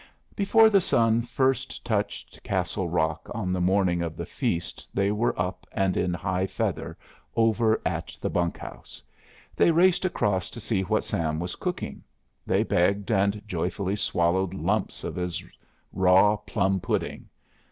Before the sun first touched Castle Rock on the morning of the feast they were up and in high feather over at the bunk house. They raced across to see what Sam was cooking; they begged and joyfully swallowed lumps of his raw plum pudding.